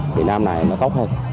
việt nam này nó tốt hơn